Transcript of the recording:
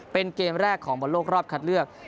เป็นเกมแรกของบอลโลกรอบคัดเลือก